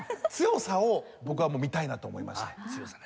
強さを僕は見たいなと思いました。